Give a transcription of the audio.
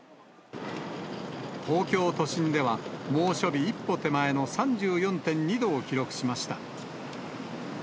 東京都心では、猛暑日一歩手前の３４．２度を記録しました。